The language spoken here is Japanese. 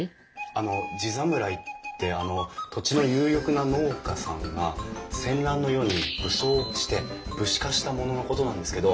あの地侍ってあの土地の有力な農家さんが戦乱の世に武装して武士化した者のことなんですけど。